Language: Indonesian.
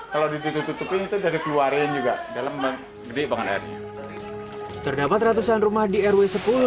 kalau ditutup tutupin itu udah dikeluarin juga